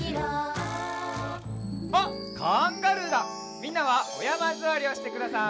みんなはおやまずわりをしてください。